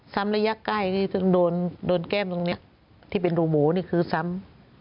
ระยะใกล้ที่ต้องโดนแก้มตรงนี้ที่เป็นรูหมูนี่คือซ้ำ